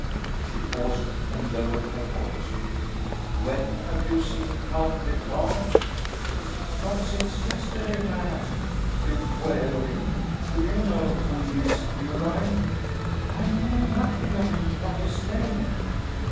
She paused and lowered her voice. "When have you seen Count L'Estrange?" "Not since yesterday, madame." "Beware of him! Do you know who he is, Leoline?" "I know nothing of him but his name."